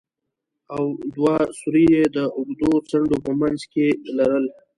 او دوه سوري يې د اوږدو څنډو په منځ کښې لرل.